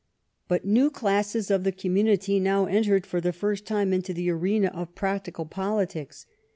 But new classes of the community now entered for the first time into the arena of practical politics.